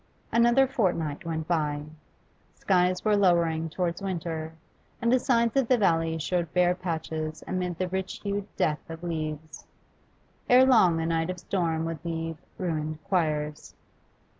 Another fortnight went by. Skies were lowering towards winter, and the sides of the valley showed bare patches amid the rich hued death of leaves; ere long a night of storm would leave 'ruined choirs.